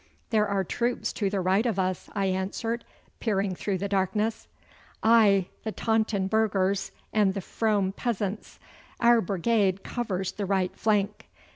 'There are troops to the right of us,' I answered, peering through the darkness. 'Aye! the Taunton burghers and the Frome peasants. Our brigade covers the right flank.